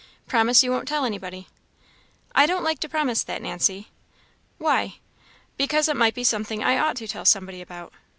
Promise you won't tell anybody." "I don't like to promise that, Nancy." "Why?" "Because it might be something I ought to tell somebody about."